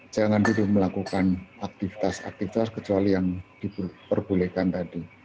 jangan dulu melakukan aktivitas aktivitas kecuali yang diperbolehkan tadi